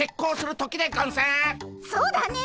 そうだね！